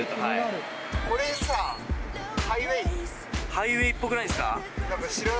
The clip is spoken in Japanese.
ハイウェイっぽくないですか？